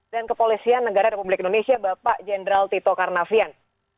dan kepolisian negara republik indonesia bapak jenderal tito karnavian